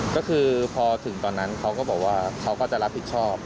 ก็คือพอถึงตอนนั้นเขาก็บอกว่าเขาก็จะรับผิดชอบ